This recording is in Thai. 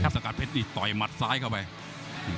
สกัดเพชรนี่ต่อยหมัดซ้ายเข้าไป